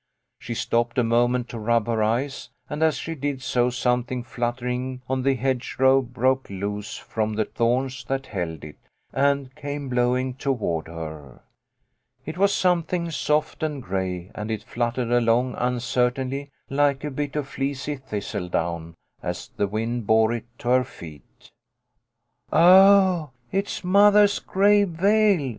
She stopped a moment to rub her eyes, and as she did so something fluttering on the hedge row broke loose from the thorns that held it, and came blowing toward her. It was something soft and gray, and it fluttered along uncertainly, like a bit of fleecy thistledown, as the wind bore it to her feet. " Oh, it's mothah's gray veil !